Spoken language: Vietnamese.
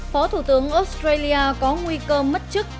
phó thủ tướng australia có nguy cơ mất chức